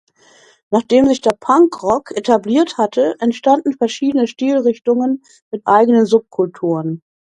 Nachdem sich der Punk-Rock etabliert hatte, entstanden verschiedene Stilrichtungen mit eigenen Subkulturen.